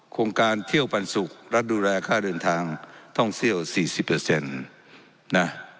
โครงการเที่ยวปันสุขรัดดูแลค่าเดินทางต้องเซี่ยวสี่สิบเปอร์เซ็นต์นะ